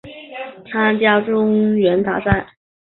参加中原大战。